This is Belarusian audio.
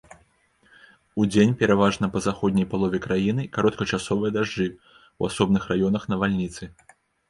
Удзень пераважна па заходняй палове краіны кароткачасовыя дажджы, у асобных раёнах навальніцы.